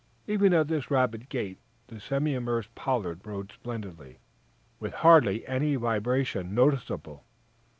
Even at this rapid gait the semi immersed "Pollard" rode splendidly, with hardly any vibration noticeable.